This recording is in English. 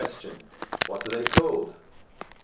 What are they called? A.